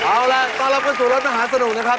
เอาล่ะต้อนรับเข้าสู่รถมหาสนุกนะครับ